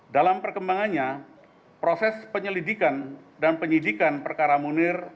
dalam perkembangannya proses penyelidikan dan penyidikan perkara munir